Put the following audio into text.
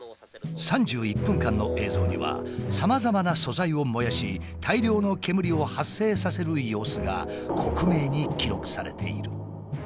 ３１分間の映像にはさまざまな素材を燃やし大量の煙を発生させる様子が克明に記録されている。